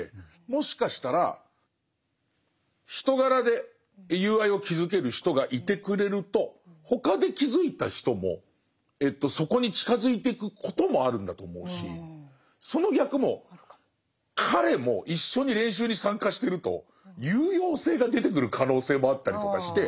もしかしたら人柄で友愛を築ける人がいてくれると他で築いた人もそこに近づいてくこともあるんだと思うしその逆も彼も一緒に練習に参加してると有用性が出てくる可能性もあったりとかして。